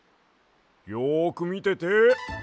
よくみてて。